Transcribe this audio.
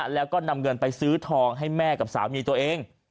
แล้วก็นำเงินไปซื้อทองให้แม่กับสามีตัวเอง